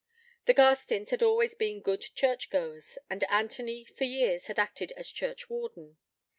The Garstins had always been good church goers, and Anthony, for years, had acted as churchwarden.